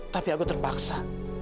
tapi aku terpaksa